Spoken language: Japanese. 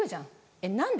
えっ何で？